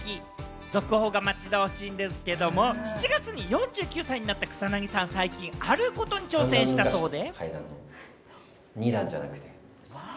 続報が待ち遠しいんですけれども、７月に４９歳になった草なぎさん、最近あることに挑戦したそうで。